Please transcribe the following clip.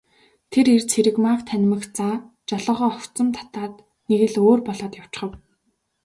Тэр эр Цэрэгмааг танимагцаа жолоогоо огцом татаад нэг л өөр болоод явчхав.